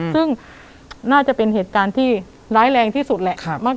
ซึ่งน่าจะเป็นเหตุการณ์ที่ร้ายแรงที่สุดแหละ